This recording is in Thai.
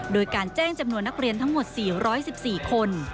โดยการแจ้งจำนวนนักเรียนทั้งหมด๔๑๔คน